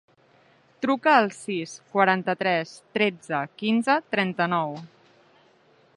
Truca al sis, quaranta-tres, tretze, quinze, trenta-nou.